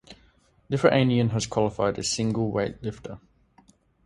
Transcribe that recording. Lithuanian has qualified a single weightlifter.